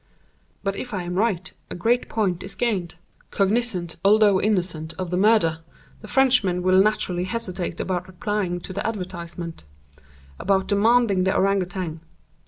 But if I am right, a great point is gained. Cognizant although innocent of the murder, the Frenchman will naturally hesitate about replying to the advertisement—about demanding the Ourang Outang.